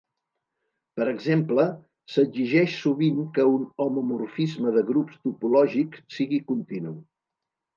Per exemple, s'exigeix sovint que un homomorfisme de grups topològics sigui continu.